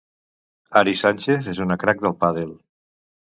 Ari Sánchez és una crack del pàdel